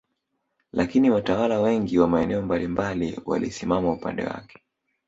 Lakini watawala wengi wa maeneo mbalimbali walisimama upande wake